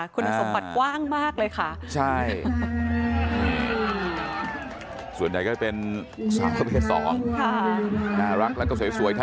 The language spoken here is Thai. คุณสมบัติกว้างมากเลยค่ะ